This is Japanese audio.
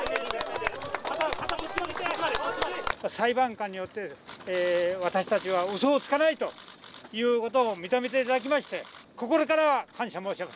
「裁判官によって私たちはうそをつかないということを認めていただきまして心から感謝申し上げます。